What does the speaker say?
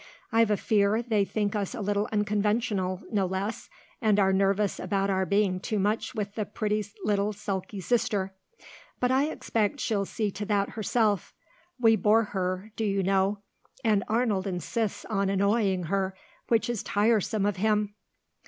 I've a fear they think us a little unconventional, no less, and are nervous about our being too much with the pretty little sulky sister. But I expect she'll see to that herself; we bore her, do you know. And Arnold insists on annoying her, which is tiresome of him."